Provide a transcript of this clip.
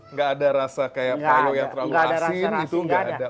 nggak ada rasa kayak paylo yang terlalu asin itu nggak ada